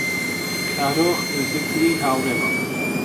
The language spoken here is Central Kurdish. کارۆخ نزیکترین هاوڕێمە.